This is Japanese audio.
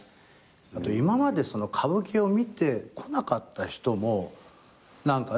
あと今まで歌舞伎を見てこなかった人も何かね